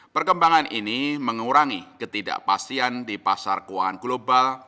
perkembangan ini mengurangi ketidakpastian di pasar keuangan global